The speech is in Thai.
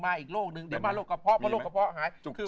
เดี๋ยวมาอีกโรคนึงโรคกระเพาะ